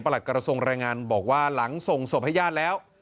หลักกระทรงรายงานบอกว่าหลังส่งศพให้ญาติแล้ว